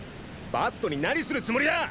バットに何するつもりだ！